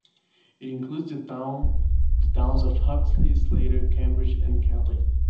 It includes the towns of Huxley, Slater, Cambridge and Kelley.